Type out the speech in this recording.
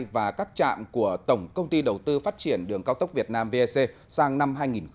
và các trạm của tổng công ty đầu tư phát triển đường cao tốc việt nam vec sang năm hai nghìn hai mươi